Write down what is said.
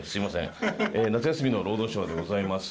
夏休みのロードショーでございます。